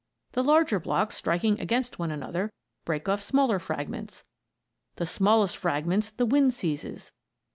The larger blocks, striking against one another, break off smaller fragments. The smallest fragments the wind seizes.